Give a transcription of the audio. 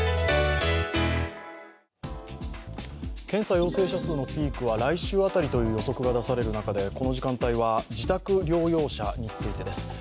検査陽性者数のピークは来週辺りという予測が出される中でこの時間帯は自宅療養者についてです。